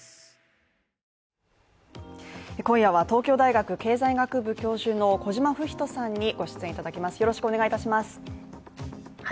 今夜は、東京大学経済学部教授の小島武仁さんの御出演いただきます。